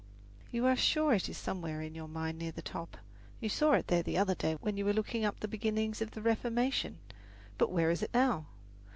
You are sure it is somewhere in your mind near the top you saw it there the other day when you were looking up the beginnings of the Reformation. But where is it now?